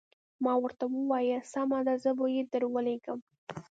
ما ورته وویل سمه ده زه به یې درولېږم.